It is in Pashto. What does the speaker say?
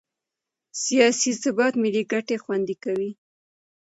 سیاسي ثبات ملي ګټې خوندي کوي